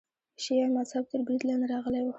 شیعه مذهب تر برید لاندې راغلی و.